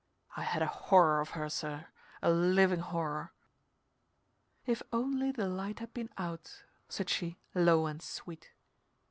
I had a horror of her, sir, a living horror. "If only the light had been out," said she, low and sweet.